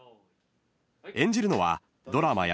［演じるのはドラマや